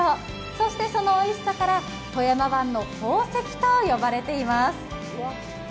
そしてそのおいしさから富山湾の宝石と呼ばれています。